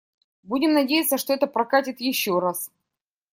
Будем надеяться, что это «прокатит» ещё раз.